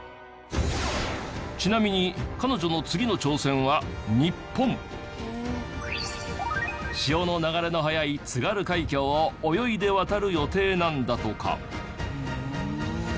ちなみに彼女の潮の流れの速い津軽海峡を泳いで渡る予定なんだとか。